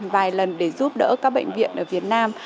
vài lần để giúp đỡ các bệnh viện ở việt nam